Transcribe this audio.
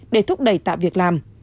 để thúc đẩy tạm việc làm